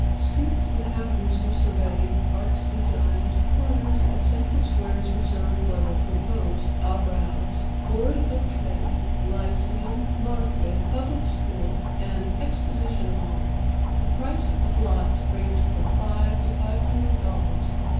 Streets and avenues were surveyed; parks designed; corners of central squares reserved for the "proposed" opera house, board of trade, lyceum, market, public schools, and "Exposition Hall." The price of lots ranged from five to five hundred dollars.